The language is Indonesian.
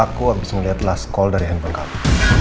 aku abis ngeliat last call dari handphone kamu